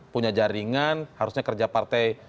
punya jaringan harusnya kerja partai